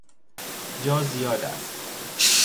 جا زیاد است.